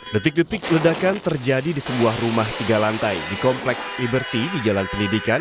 detik detik ledakan terjadi di sebuah rumah tiga lantai di kompleks iberti di jalan pendidikan